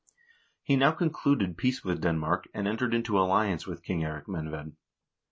He now concluded peace with Denmark, and entered into alliance with King Eirik Menved.